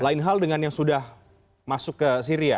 lain hal dengan yang sudah masuk ke syria